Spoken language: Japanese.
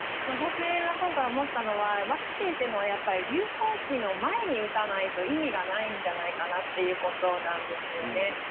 私が今回思ったのはワクチンは流行期の前に打たないと意味がないんじゃないかなっていうことなんですよね。